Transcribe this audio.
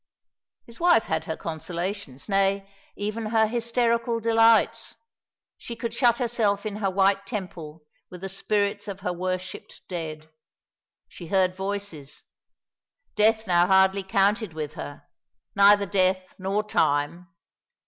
His wife had her consolations, nay, even her hysterical delights. She could shut herself in her white temple with the spirits of her worshipped dead. She heard voices. Death now hardly counted with her, neither Death nor Time.